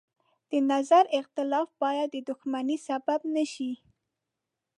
د نظر اختلاف باید د دښمنۍ سبب نه شي.